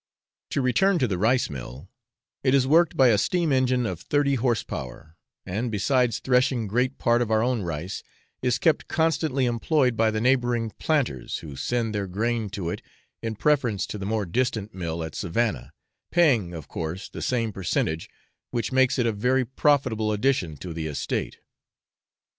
To return to the rice mill: it is worked by a steam engine of thirty horse power, and besides threshing great part of our own rice, is kept constantly employed by the neighbouring planters, who send their grain to it in preference to the more distant mill at Savannah, paying, of course, the same percentage, which makes it a very profitable addition to the estate.